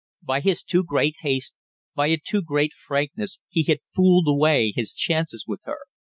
By his too great haste, by a too great frankness he had fooled away his chances with her.